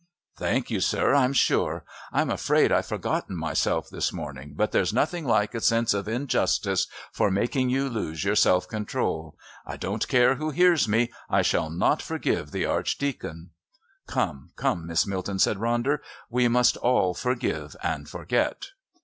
"Thank you, sir, I'm sure. I'm afraid I've forgotten myself this morning, but there's nothing like a sense of injustice for making you lose your self control. I don't care who hears me. I shall not forgive the Archdeacon." "Come, come, Miss Milton," said Ronder. "We must all forgive and forget."